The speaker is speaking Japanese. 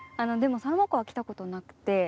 でもサロマ湖は来たことなくて。